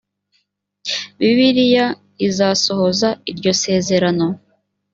bibiliya izasohoza iryo sezerano